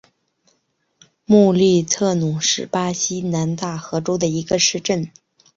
穆利特努是巴西南大河州的一个市镇。